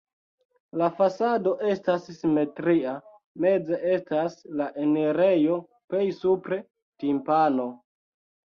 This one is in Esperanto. La fasado estas simetria, meze estas la enirejo, plej supre timpano.